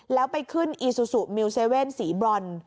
แล้วไปขึ้นอีซูซูมิล๗สีบรอนด์